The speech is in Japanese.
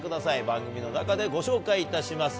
番組の中でご紹介いたします。